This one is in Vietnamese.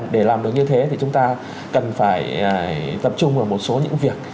để làm được như thế thì chúng ta cần phải tập trung vào một số những việc